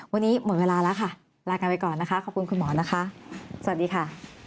วันนี้หมดเวลาแล้วค่ะลากันไปก่อนนะคะขอบคุณคุณหมอนะคะสวัสดีค่ะ